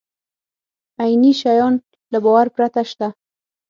عیني شیان له باور پرته شته.